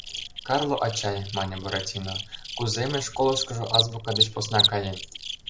— Карло ачай, — мане Буратино, — кузе мый школышкыжо азбука деч посна каем?